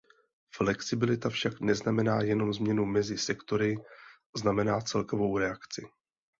Flexibilita však neznamená jenom změnu mezi sektory; znamená celkovou reakci.